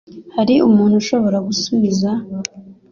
Hari umuntu ushobora gusubiza? .